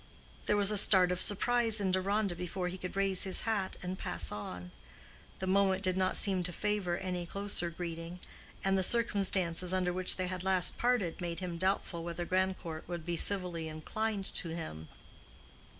There was a start of surprise in Deronda before he could raise his hat and pass on. The moment did not seem to favor any closer greeting, and the circumstances under which they had last parted made him doubtful whether Grandcourt would be civilly inclined to him.